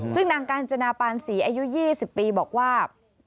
ซึ่งนางกาญจนาปานศรีอายุ๒๐ปีบอกว่า